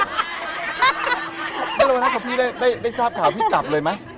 แล้วเวลาครั้งนี้ได้ทราบข่าวเพียงกลับเลยมั้ย